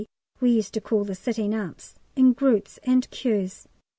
we used to call the sitting ups) in groups and queues.